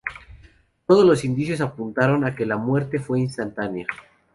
Todos los indicios apuntaron a que la muerte fue instantánea.